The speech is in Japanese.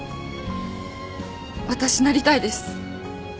私なりたいです。